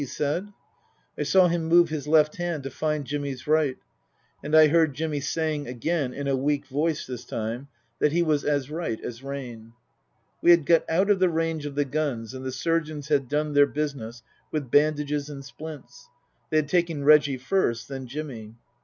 " he said. I saw him move his left hand to find Jimmy's right. And I heard Jimmy saying again (in a weak voice this time) that he was as right as rain. We had got out of the range of the guns and the surgeons had done their business with bandages and splints. They had taken Reggie first, then Jimmy.